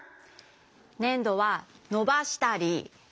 ねんどはのばしたり。